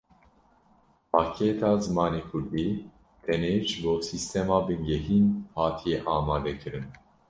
Pakêta zimanê kurdî tenê bo sîstema bingehîn hatiye amadekirin.